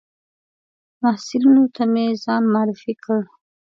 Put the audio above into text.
محصلینو ته مې ځان معرفي کړ.